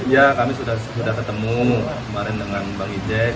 ya kami sudah ketemu kemarin dengan bang ijek